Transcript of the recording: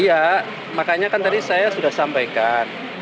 iya makanya kan tadi saya sudah sampaikan